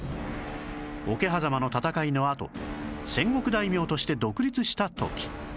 桶狭間の戦いのあと戦国大名として独立した時